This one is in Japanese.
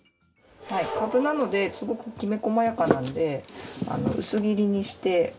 カブなのですごくきめ細やかなので薄切りにして。